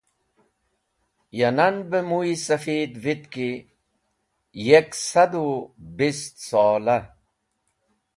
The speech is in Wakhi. Ya nan be muy safid vitki yek sad u bist sola.